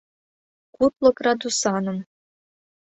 Кудло градусаным.